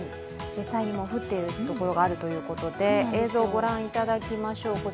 実際にもう降っているところがあるということで映像ご覧いただきましょう。